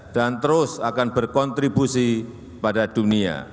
dan terus akan berkontribusi pada dunia